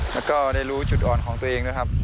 แล้วก็ได้รู้จุดอ่อนของตัวเองด้วยครับ